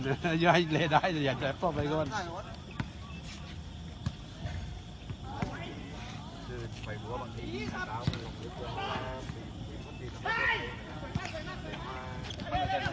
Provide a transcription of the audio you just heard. สวัสดีครับทุกคนขอบคุณครับทุกคน